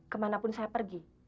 kemanapun saya pergi